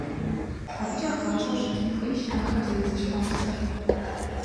АбыкӀэ къащӀэу щытын хуейщ ахэр зэрызэщхьэгъусэр.